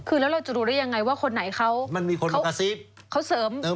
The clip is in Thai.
คือเราจะรู้ได้ยังไงว่าคนไหนเขาเสริมอาชีพด้วย